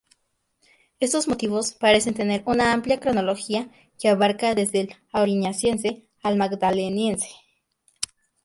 Estos motivos parecen tener una amplia cronología que abarca desde el Auriñaciense al Magdaleniense.